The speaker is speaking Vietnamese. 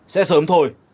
sẽ sớm thôi